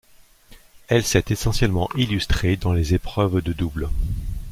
Elle s'est essentiellement illustrée dans les épreuves de double.